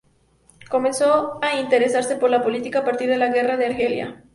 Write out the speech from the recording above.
Comenzó a interesarse por la política a partir de la Guerra de Argelia.